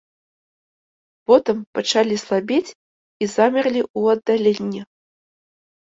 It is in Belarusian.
Потым пачалі слабець і замерлі ў аддаленні.